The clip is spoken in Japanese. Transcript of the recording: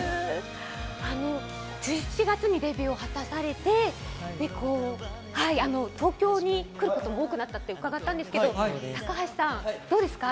１１月にデビューを果たされて東京に来ることも多くなったって伺ってるんですけど、高橋さん、どうですか？